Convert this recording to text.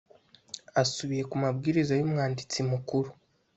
Asubiye ku mabwiriza y umwanditsi mukuru